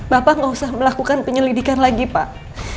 bapak nggak usah melakukan penyelidikan lagi pak